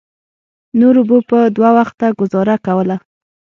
نورو به په دوه وخته ګوزاره کوله.